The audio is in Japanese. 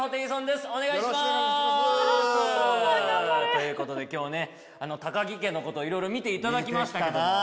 ということで今日ね高木家のこといろいろ見ていただきましたけど。